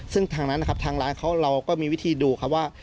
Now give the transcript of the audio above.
ซึ่งทางนั้นนะครับทางร้านเขาเราก็มีวิธีดูครับว่า